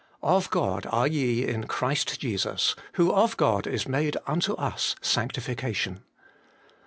' Of God are ye in Christ Jesus, who of God is made unto us sanctification.'